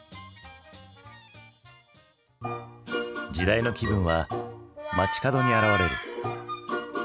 時代の気分は街角に表れる。